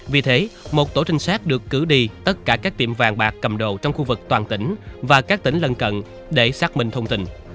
vì thế một tổ trinh sát được cử đi tất cả các tiệm vàng bạc cầm đầu trong khu vực toàn tỉnh và các tỉnh lân cận để xác minh thông tin